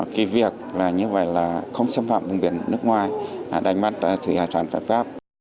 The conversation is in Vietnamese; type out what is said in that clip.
cái việc như vậy là không xâm phạm vùng biển nước ngoài đánh bắt thủy hải sản pháp pháp